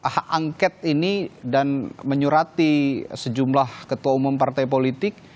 hak angket ini dan menyurati sejumlah ketua umum partai politik